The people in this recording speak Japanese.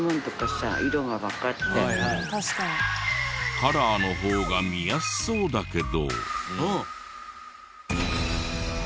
カラーの方が見やすそうだけど。